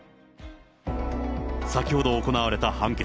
先ほど行われた判決。